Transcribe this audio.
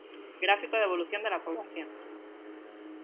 Gráfico de evolución de la población.